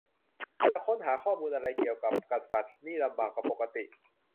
จะค้นจะหาข้อมูลอะไรที่เกี่ยวกับกษัตริย์นี่ลำบากกว่าปกติ